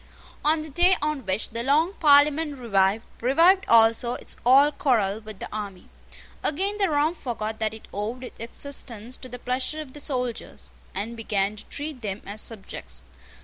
On the day on which the long Parliament revived, revived also its old quarrel with the army. Again the Rump forgot that it owed its existence to the pleasure of the soldiers, and began to treat them as subjects.